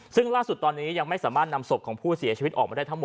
ซึ่งล่าสุดตอนนี้ยังไม่สามารถนำศพของผู้เสียชีวิตออกมาได้ทั้งหมด